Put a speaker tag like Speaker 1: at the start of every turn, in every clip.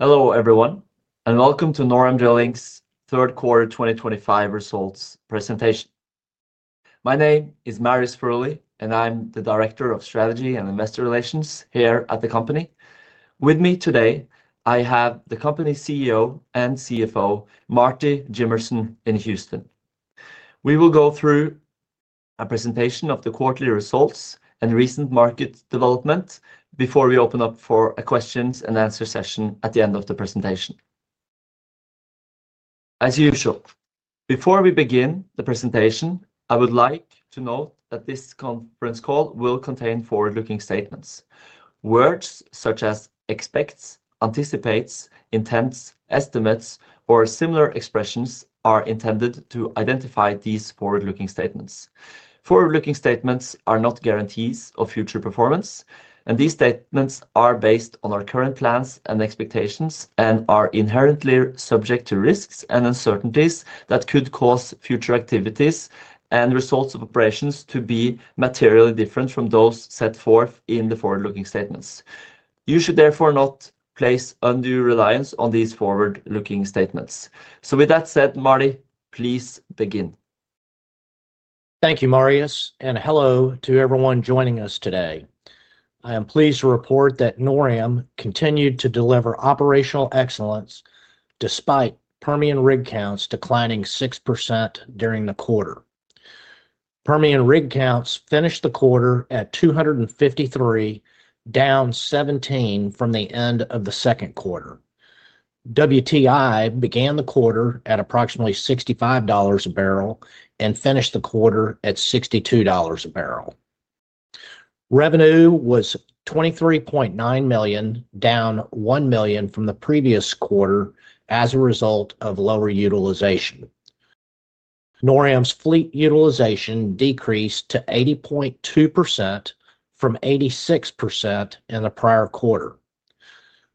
Speaker 1: Hello everyone, and welcome to NorAm Drilling's third quarter 2025 results presentation. My name is Marius Furuly, and I'm the Director of Strategy and Investor Relations here at the company. With me today, I have the company CEO and CFO, Marty Jimmerson, in Houston. We will go through a presentation of the quarterly results and recent market developments before we open up for a questions and answers session at the end of the presentation. As usual, before we begin the presentation, I would like to note that this conference call will contain forward-looking statements. Words such as expects, anticipates, intents, estimates, or similar expressions are intended to identify these forward-looking statements. Forward-looking statements are not guarantees of future performance, and these statements are based on our current plans and expectations and are inherently subject to risks and uncertainties that could cause future activities and results of operations to be materially different from those set forth in the forward-looking statements. You should therefore not place undue reliance on these forward-looking statements. With that said, Marty, please begin.
Speaker 2: Thank you, Marius, and hello to everyone joining us today. I am pleased to report that NorAm continued to deliver operational excellence despite Permian rig counts declining 6% during the quarter. Permian rig counts finished the quarter at 253, down 17 from the end of the second quarter. WTI began the quarter at approximately $65 a barrel and finished the quarter at $62 a barrel. Revenue was $23.9 million, down $1 million from the previous quarter as a result of lower utilization. NorAm's fleet utilization decreased to 80.2% from 86% in the prior quarter.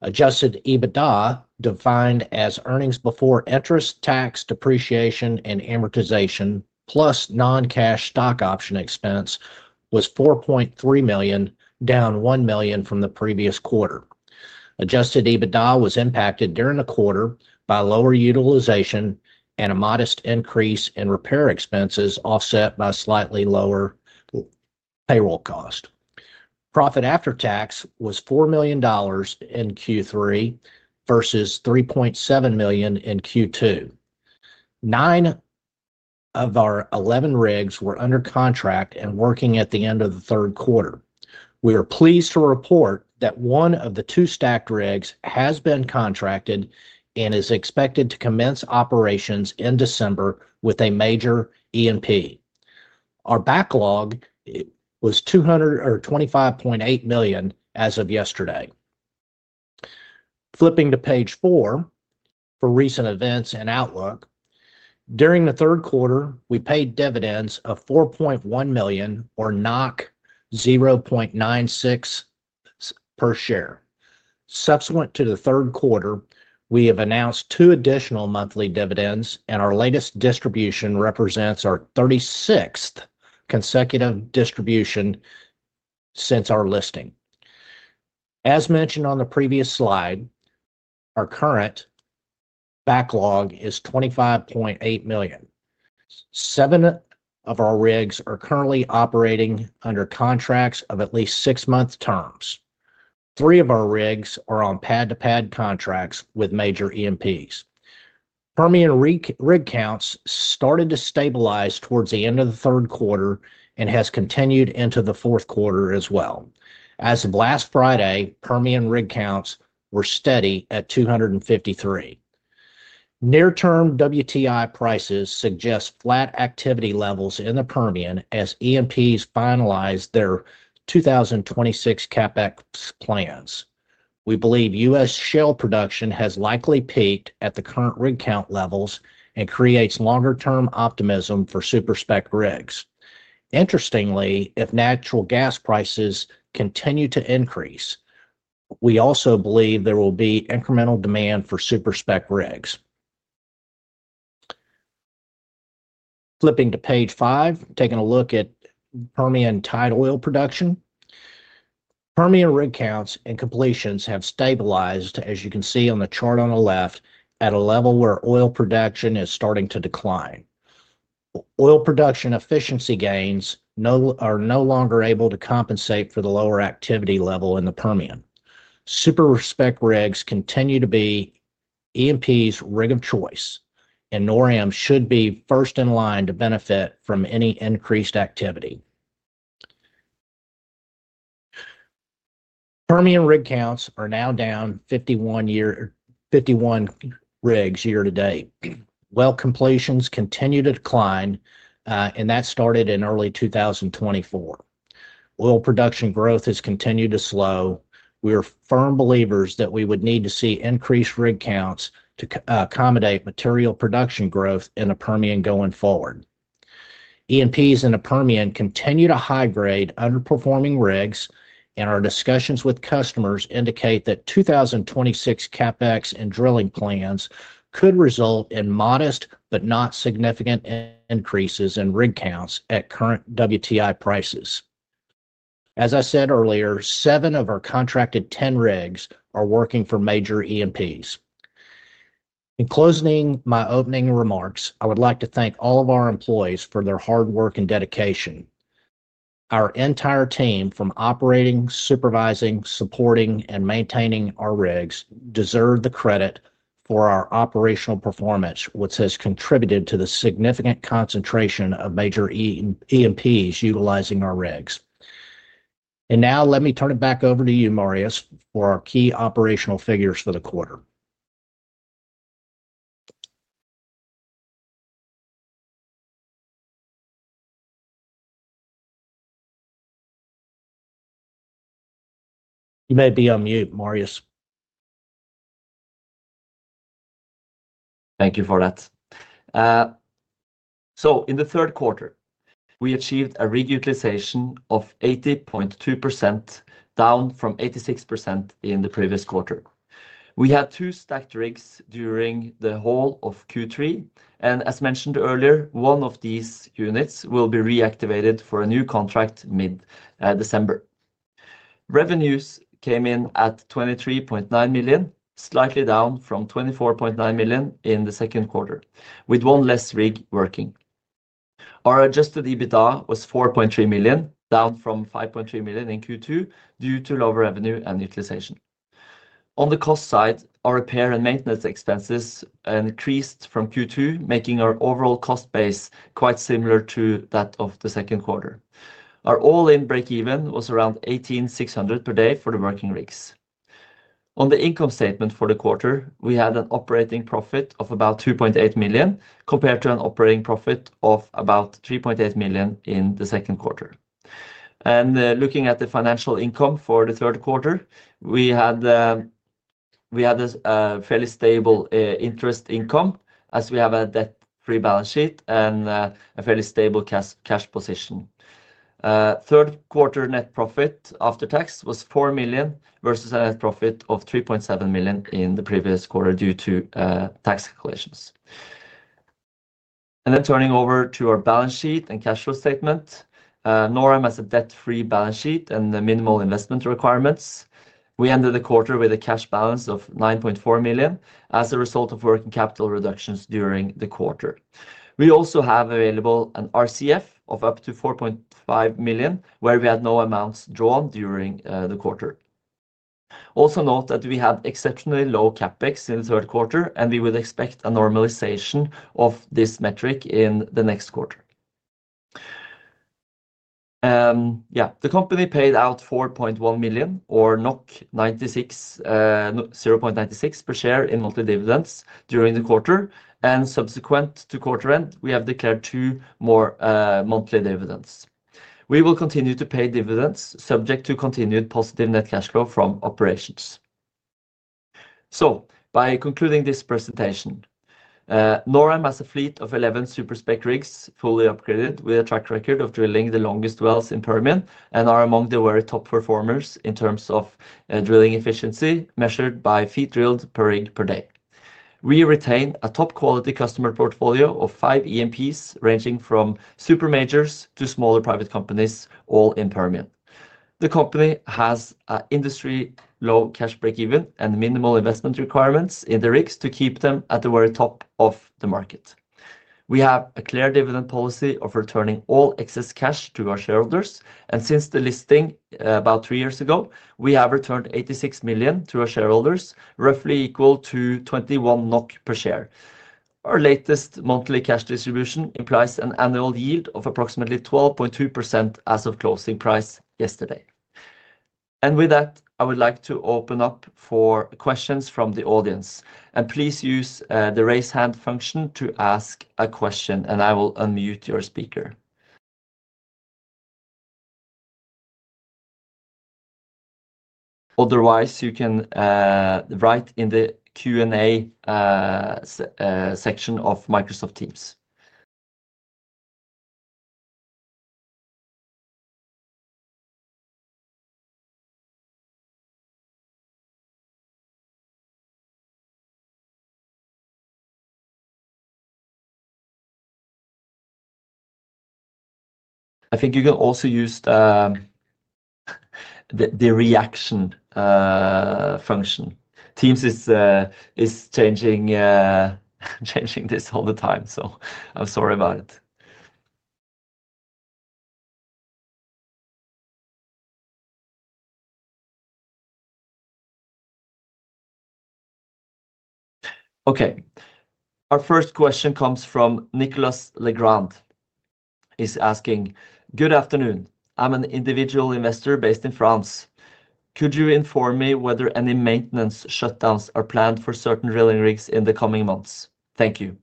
Speaker 2: Adjusted EBITDA, defined as earnings before interest, tax, depreciation, and amortization, plus non-cash stock option expense, was $4.3 million, down $1 million from the previous quarter. Adjusted EBITDA was impacted during the quarter by lower utilization and a modest increase in repair expenses offset by slightly lower payroll cost. Profit after tax was $4 million in Q3 versus $3.7 million in Q2. Nine of our 11 rigs were under contract and working at the end of the third quarter. We are pleased to report that one of the two stacked rigs has been contracted and is expected to commence operations in December with a major E&P. Our backlog was $25.8 million as of yesterday. Flipping to page four for recent events and outlook, during the third quarter, we paid dividends of $4.1 million, or 0.96 per share. Subsequent to the third quarter, we have announced two additional monthly dividends, and our latest distribution represents our 36th consecutive distribution since our listing. As mentioned on the previous slide, our current backlog is $25.8 million. Seven of our rigs are currently operating under contracts of at least six-month terms. Three of our rigs are on pad-to-pad contracts with major E&Ps. Permian rig counts started to stabilize towards the end of the third quarter and have continued into the fourth quarter as well. As of last Friday, Permian rig counts were steady at 253. Near-term WTI prices suggest flat activity levels in the Permian as E&Ps finalize their 2026 CapEx plans. We believe U.S. shale production has likely peaked at the current rig count levels and creates longer-term optimism for super-spec rigs. Interestingly, if natural gas prices continue to increase, we also believe there will be incremental demand for super-spec rigs. Flipping to page five, taking a look at Permian tight oil production. Permian rig counts and completions have stabilized, as you can see on the chart on the left, at a level where oil production is starting to decline. Oil production efficiency gains are no longer able to compensate for the lower activity level in the Permian. Super-spec rigs continue to be E&Ps' rig of choice, and NorAm should be first in line to benefit from any increased activity. Permian rig counts are now down 51 rigs year to date. Well completions continue to decline, and that started in early 2024. Oil production growth has continued to slow. We are firm believers that we would need to see increased rig counts to accommodate material production growth in the Permian going forward. E&Ps in the Permian continue to high-grade underperforming rigs, and our discussions with customers indicate that 2026 CapEx and drilling plans could result in modest but not significant increases in rig counts at current WTI prices. As I said earlier, seven of our contracted 10 rigs are working for major E&Ps. In closing my opening remarks, I would like to thank all of our employees for their hard work and dedication. Our entire team, from operating, supervising, supporting, and maintaining our rigs, deserves the credit for our operational performance, which has contributed to the significant concentration of major E&Ps utilizing our rigs. Let me turn it back over to you, Marius, for our key operational figures for the quarter. You may be on mute, Marius.
Speaker 1: Thank you for that. In the third quarter, we achieved a reutilization of 80.2%, down from 86% in the previous quarter. We had two stacked rigs during the whole of Q3, and as mentioned earlier, one of these units will be reactivated for a new contract mid-December. Revenues came in at $23.9 million, slightly down from $24.9 million in the second quarter, with one less rig working. Our adjusted EBITDA was $4.3 million, down from $5.3 million in Q2 due to lower revenue and utilization. On the cost side, our repair and maintenance expenses increased from Q2, making our overall cost base quite similar to that of the second quarter. Our all-in break-even was around $18,600 per day for the working rigs. On the income statement for the quarter, we had an operating profit of about $2.8 million, compared to an operating profit of about $3.8 million in the second quarter. Looking at the financial income for the third quarter, we had a fairly stable interest income as we have a debt-free balance sheet and a fairly stable cash position. Third quarter net profit after tax was $4 million versus a net profit of $3.7 million in the previous quarter due to tax calculations. Turning over to our balance sheet and cash flow statement, NorAm has a debt-free balance sheet and minimal investment requirements. We ended the quarter with a cash balance of $9.4 million as a result of working capital reductions during the quarter. We also have available an RCF of up to $4.5 million, where we had no amounts drawn during the quarter. Also note that we had exceptionally low CapEx in the third quarter, and we would expect a normalization of this metric in the next quarter. Yeah, the company paid out $4.1 million, or 0.96 per share in monthly dividends during the quarter, and subsequent to quarter end, we have declared two more monthly dividends. We will continue to pay dividends, subject to continued positive net cash flow from operations. By concluding this presentation, NorAm has a fleet of 11 super-spec rigs fully upgraded with a track record of drilling the longest wells in Permian and are among the very top performers in terms of drilling efficiency measured by feet drilled per rig per day. We retain a top-quality customer portfolio of five E&Ps ranging from super majors to smaller private companies, all in Permian. The company has an industry-low cash break-even and minimal investment requirements in the rigs to keep them at the very top of the market. We have a clear dividend policy of returning all excess cash to our shareholders, and since the listing about three years ago, we have returned $86 million to our shareholders, roughly equal to 21 NOK per share. Our latest monthly cash distribution implies an annual yield of approximately 12.2% as of closing price yesterday. With that, I would like to open up for questions from the audience, and please use the raise hand function to ask a question, and I will unmute your speaker. Otherwise, you can write in the Q&A section of Microsoft Teams. I think you can also use the reaction function. Teams is changing this all the time, so I'm sorry about it. Our first question comes from Nicolas Legrand. He's asking, "Good afternoon. I'm an individual investor based in France. Could you inform me whether any maintenance shutdowns are planned for certain drilling rigs in the coming months? Thank you.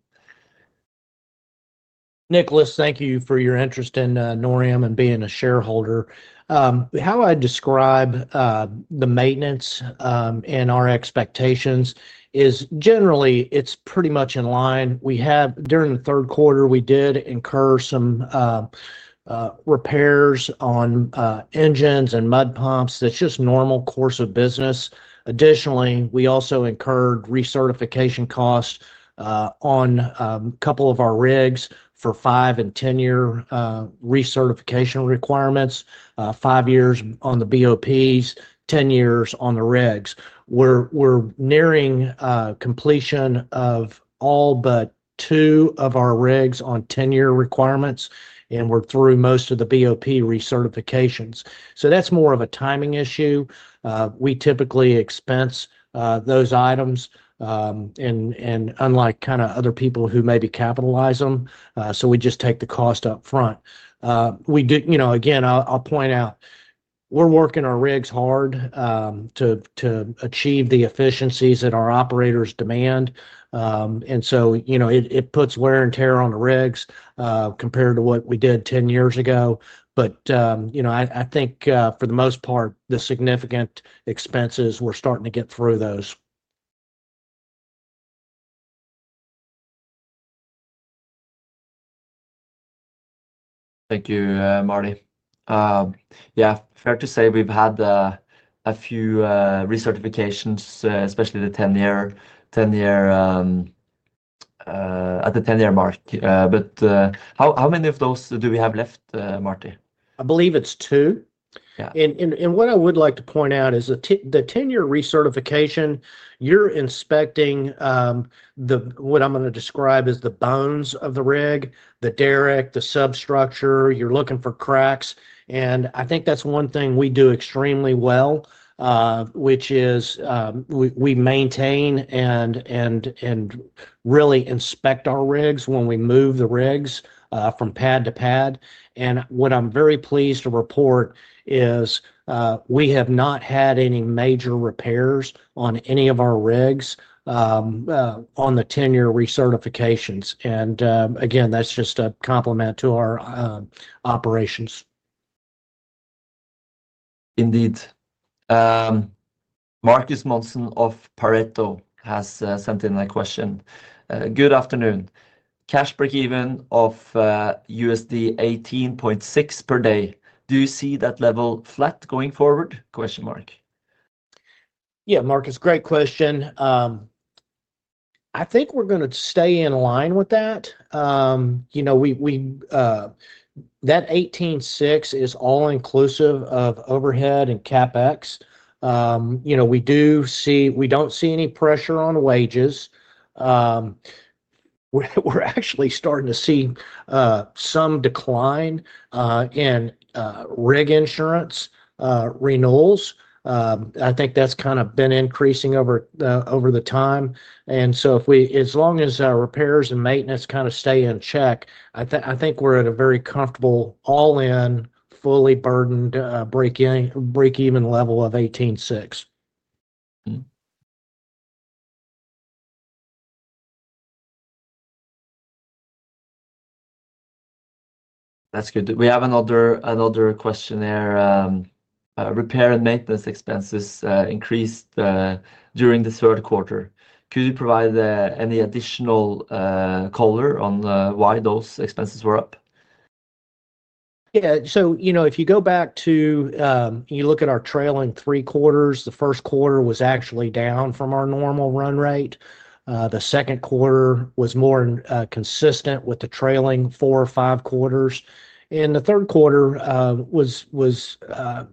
Speaker 2: Nicolas, thank you for your interest in NorAm and being a shareholder. How I describe the maintenance and our expectations is generally it's pretty much in line. During the third quarter, we did incur some repairs on engines and mud pumps. That's just normal course of business. Additionally, we also incurred recertification costs on a couple of our rigs for five and ten-year recertification requirements, five years on the BOPs, ten years on the rigs. We're nearing completion of all but two of our rigs on ten-year requirements, and we're through most of the BOP recertifications. That's more of a timing issue. We typically expense those items, and unlike kind of other people who maybe capitalize them, we just take the cost upfront. Again, I'll point out we're working our rigs hard to achieve the efficiencies that our operators demand, and it puts wear and tear on the rigs compared to what we did ten years ago. I think for the most part, the significant expenses, we're starting to get through those.
Speaker 1: Thank you, Marty. Yeah, fair to say we've had a few recertifications, especially the ten-year at the ten-year mark. How many of those do we have left, Marty?
Speaker 2: I believe it's two. What I would like to point out is the ten-year recertification, you're inspecting what I'm going to describe as the bones of the rig, the derrick, the substructure. You're looking for cracks. I think that's one thing we do extremely well, which is we maintain and really inspect our rigs when we move the rigs from pad to pad. What I'm very pleased to report is we have not had any major repairs on any of our rigs on the ten-year recertifications. That is just a compliment to our operations.
Speaker 1: Indeed. Marcus Monson of Pareto has sent in a question. "Good afternoon. Cash break-even of $18.6 per day. Do you see that level flat going forward?"
Speaker 2: Yeah, Marcus, great question. I think we're going to stay in line with that. That $18.6 is all inclusive of overhead and CapEx. We don't see any pressure on wages. We're actually starting to see some decline in rig insurance renewals. I think that's kind of been increasing over the time. As long as our repairs and maintenance kind of stay in check, I think we're at a very comfortable all-in, fully burdened break-even level of 18.6.
Speaker 1: That's good. We have another question there. "Repair and maintenance expenses increased during the third quarter. Could you provide any additional color on why those expenses were up?"
Speaker 2: Yeah, if you go back to and you look at our trailing three quarters, the first quarter was actually down from our normal run rate. The second quarter was more consistent with the trailing four or five quarters. The third quarter was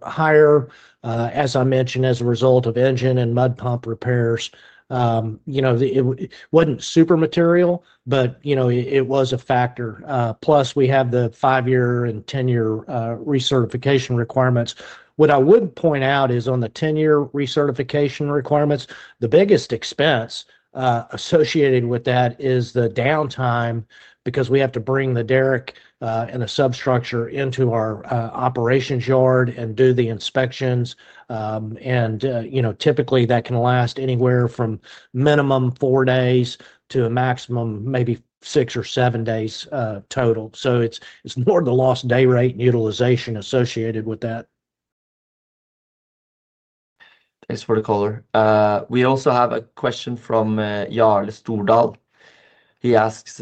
Speaker 2: higher, as I mentioned, as a result of engine and mud pump repairs. It was not super material, but it was a factor. Plus, we have the five-year and ten-year recertification requirements. What I would point out is on the ten-year recertification requirements, the biggest expense associated with that is the downtime because we have to bring the derrick and the substructure into our operations yard and do the inspections. Typically, that can last anywhere from minimum four days to a maximum maybe six or seven days total. It is more the lost day rate and utilization associated with that.
Speaker 1: Thanks for the color. We also have a question from Jarle Stordal. He asks,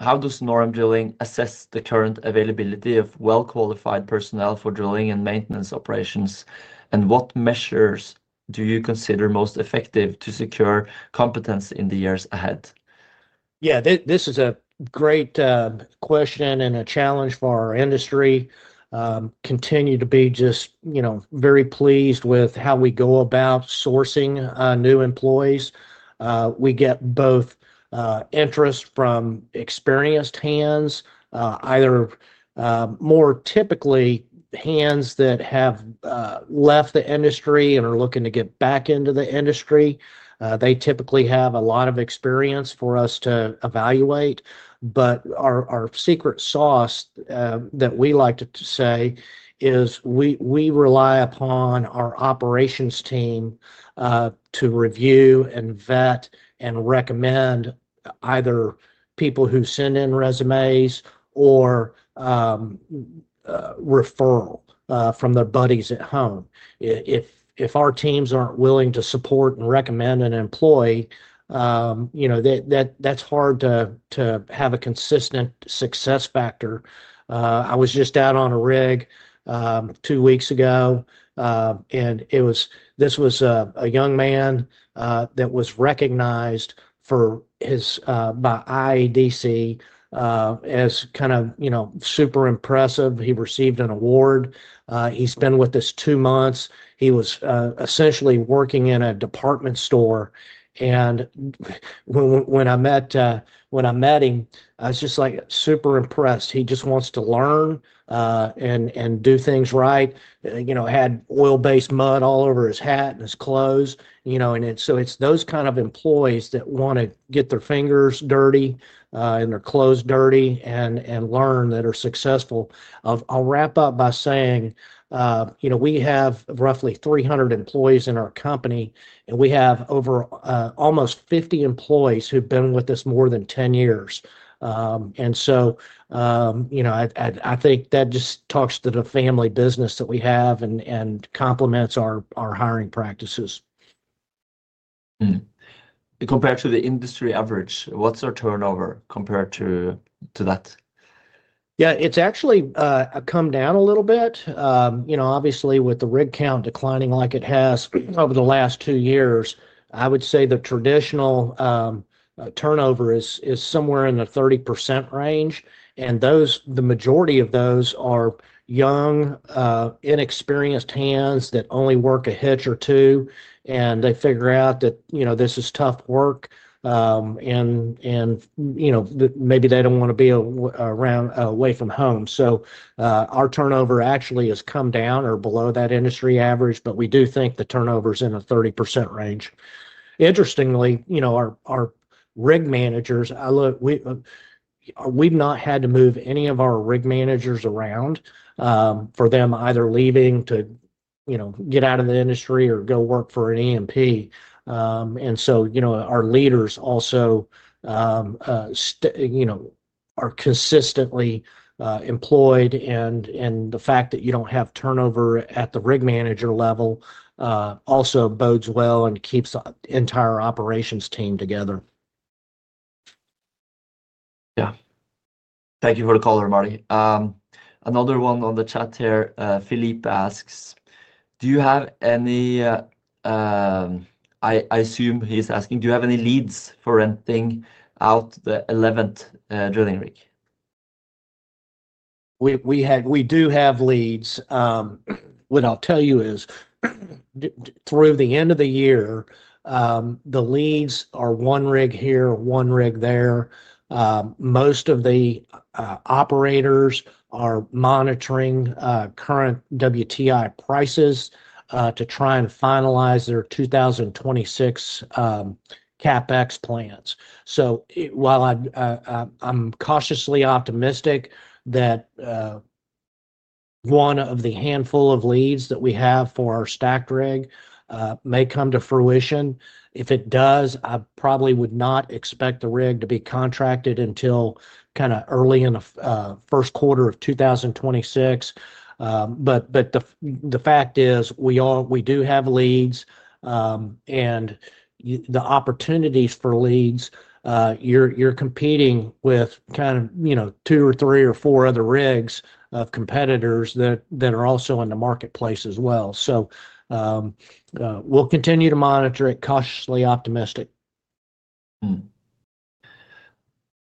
Speaker 1: "How does NorAm Drilling assess the current availability of well-qualified personnel for drilling and maintenance operations, and what measures do you consider most effective to secure competence in the years ahead?"
Speaker 2: Yeah, this is a great question and a challenge for our industry. Continue to be just very pleased with how we go about sourcing new employees. We get both interest from experienced hands, either more typically hands that have left the industry and are looking to get back into the industry. They typically have a lot of experience for us to evaluate. Our secret sauce, that we like to say, is we rely upon our operations team to review and vet and recommend either people who send in resumes or referral from their buddies at home. If our teams aren't willing to support and recommend an employee, that's hard to have a consistent success factor. I was just out on a rig two weeks ago, and this was a young man that was recognized by IADC as kind of super impressive. He received an award. He's been with us two months. He was essentially working in a department store. When I met him, I was just super impressed. He just wants to learn and do things right. Had oil-based mud all over his hat and his clothes. It is those kind of employees that want to get their fingers dirty and their clothes dirty and learn that are successful. I'll wrap up by saying we have roughly 300 employees in our company, and we have almost 50 employees who've been with us more than 10 years. I think that just talks to the family business that we have and complements our hiring practices.
Speaker 1: Compared to the industry average, what's our turnover compared to that?
Speaker 2: Yeah, it's actually come down a little bit. Obviously, with the rig count declining like it has over the last two years, I would say the traditional turnover is somewhere in the 30% range. The majority of those are young, inexperienced hands that only work a hitch or two, and they figure out that this is tough work, and maybe they don't want to be away from home. Our turnover actually has come down or below that industry average, but we do think the turnover is in the 30% range. Interestingly, our rig managers, we've not had to move any of our rig managers around for them either leaving to get out of the industry or go work for an E&P. Our leaders also are consistently employed, and the fact that you do not have turnover at the rig manager level also bodes well and keeps the entire operations team together.
Speaker 1: Yeah. Thank you for the call, Marty. Another one on the chat here, Philippe asks, "Do you have any—" I assume he's asking, "Do you have any leads for renting out the 11th drilling rig?"
Speaker 2: We do have leads. What I'll tell you is through the end of the year, the leads are one rig here, one rig there. Most of the operators are monitoring current WTI prices to try and finalize their 2026 CapEx plans. While I'm cautiously optimistic that one of the handful of leads that we have for our stacked rig may come to fruition, if it does, I probably would not expect the rig to be contracted until kind of early in the first quarter of 2026. The fact is we do have leads, and the opportunities for leads, you're competing with kind of two or three or four other rigs of competitors that are also in the marketplace as well. We'll continue to monitor it, cautiously optimistic.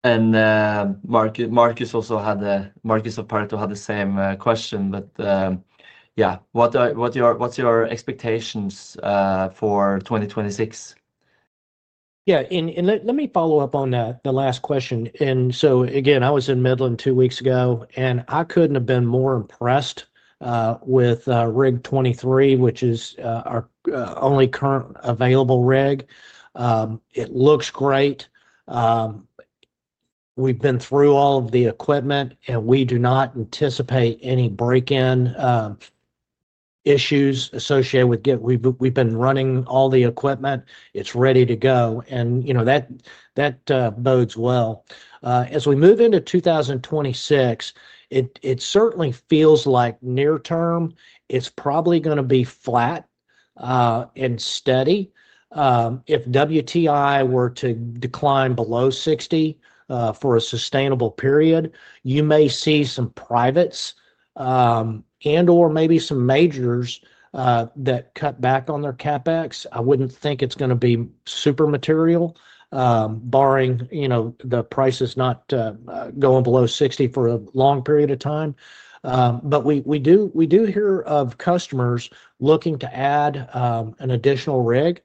Speaker 1: Marcus also had—Marcus of Pareto had the same question. Yeah, what's your expectations for 2026?
Speaker 2: Yeah, let me follow up on the last question. I was in Midland two weeks ago, and I couldn't have been more impressed with Rig 23, which is our only current available rig. It looks great. We've been through all of the equipment, and we do not anticipate any break-in issues associated with it. We've been running all the equipment. It's ready to go. That bodes well. As we move into 2026, it certainly feels like near-term, it's probably going to be flat and steady. If WTI were to decline below $60 for a sustainable period, you may see some privates and/or maybe some majors that cut back on their CapEx. I wouldn't think it's going to be super material, barring the prices not going below $60 for a long period of time. We do hear of customers looking to add an additional rig.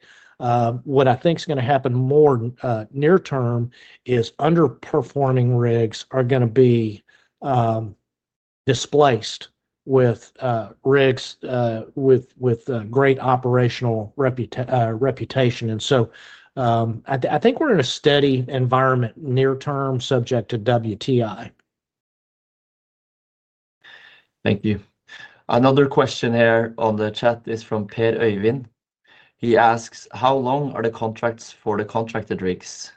Speaker 2: What I think is going to happen more near-term is underperforming rigs are going to be displaced with rigs with great operational reputation. I think we're in a steady environment near-term, subject to WTI.
Speaker 1: Thank you. Another question here on the chat is from Per Øyvind. He asks, "How long are the contracts for the contracted rigs?"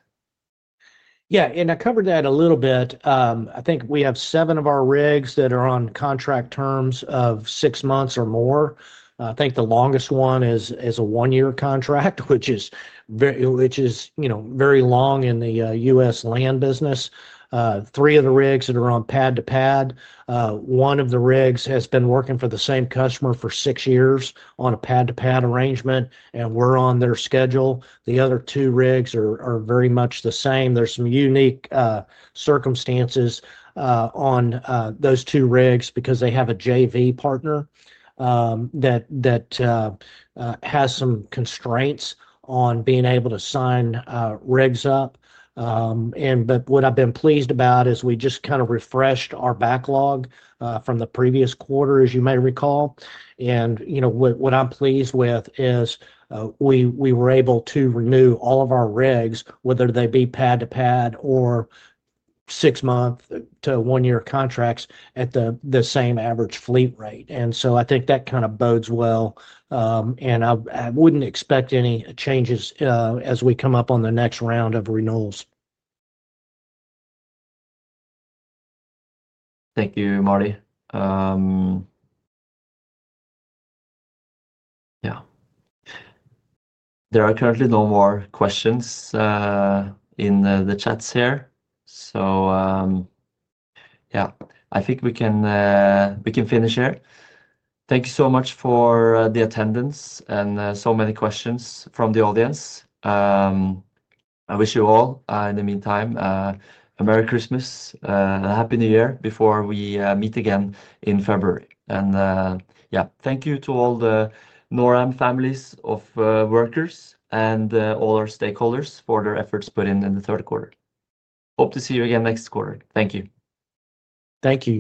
Speaker 2: Yeah, and I covered that a little bit. I think we have seven of our rigs that are on contract terms of six months or more. I think the longest one is a one-year contract, which is very long in the U.S. land business. Three of the rigs that are on pad to pad. One of the rigs has been working for the same customer for six years on a pad to pad arrangement, and we're on their schedule. The other two rigs are very much the same. There are some unique circumstances on those two rigs because they have a JV partner that has some constraints on being able to sign rigs up. What I've been pleased about is we just kind of refreshed our backlog from the previous quarter, as you may recall. What I'm pleased with is we were able to renew all of our rigs, whether they be pad-to-pad or six-month to one-year contracts, at the same average fleet rate. I think that kind of bodes well. I wouldn't expect any changes as we come up on the next round of renewals.
Speaker 1: Thank you, Marty. Yeah. There are currently no more questions in the chats here. Yeah, I think we can finish here. Thank you so much for the attendance and so many questions from the audience. I wish you all, in the meantime, a Merry Christmas and a Happy New Year before we meet again in February. Yeah, thank you to all the NorAm families of workers and all our stakeholders for their efforts put in in the third quarter. Hope to see you again next quarter. Thank you.
Speaker 2: Thank you.